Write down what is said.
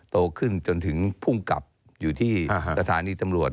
โตขึ้นจนถึงภูมิกับอยู่ที่สถานีตำรวจ